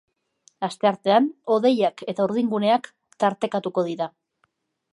Asteartean hodeiak eta urdinguneak tartekatuko dira.